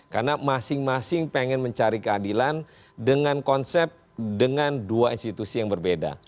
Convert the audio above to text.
karena masing masing pengen mencari keadilan dengan konsep dengan dua institusi yang berbeda